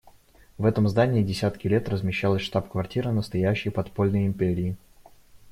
В этом здании десятки лет размещалась штаб-квартира настоящей подпольной империи.